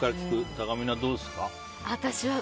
たかみなはどうですか。